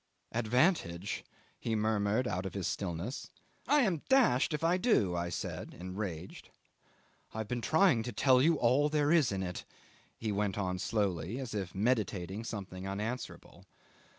"Advantage!" he murmured out of his stillness. "I am dashed if I do," I said, enraged. "I've been trying to tell you all there is in it," he went on slowly, as if meditating something unanswerable.